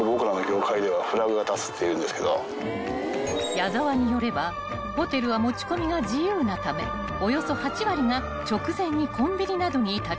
［矢澤によればホテルは持ち込みが自由なためおよそ８割が直前にコンビニなどに立ち寄り